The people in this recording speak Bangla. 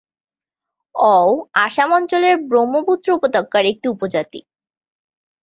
অও আসাম অঞ্চলের ব্রহ্মপুত্র উপত্যকার একটি উপজাতি।